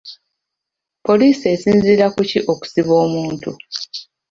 Poliisi esinziira ku ki okusiba omuntu?